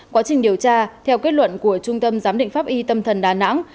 quá trình điều tra theo kết luận của trung tâm giám định pháp y tâm thần đà nẵng